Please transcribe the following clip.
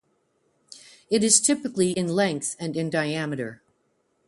It is typically in length and in diameter.